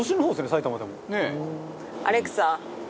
埼玉でも。